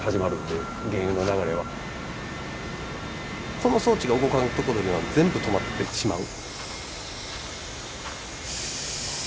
その装置が動かんことには全部止まってしまう。